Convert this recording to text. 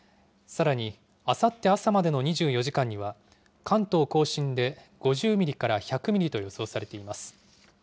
さらに、あさって朝までの２４時間には、関東甲信で５０ミリから１００ミリと予想されています。